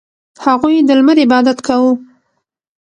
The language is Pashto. • هغوی د لمر عبادت کاوه.